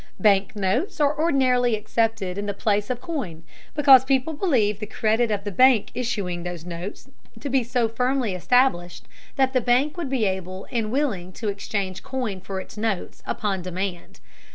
Bank notes are ordinarily accepted in the place of coin, because people believe the credit of the bank issuing those notes to be so firmly established that the bank would be able and willing to exchange coin for its notes, upon demand.